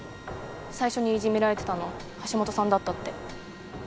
最初にいじめられてたの橋本さんだったって。